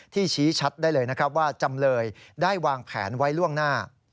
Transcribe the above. ชี้ชัดได้เลยนะครับว่าจำเลยได้วางแผนไว้ล่วงหน้า